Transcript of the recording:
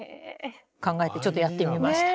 考えてちょっとやってみました。